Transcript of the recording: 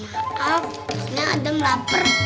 tidak maaf biasanya adam lapar